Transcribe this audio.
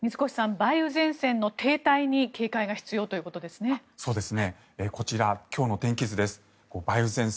梅雨前線の停滞に警戒が必要ということですね。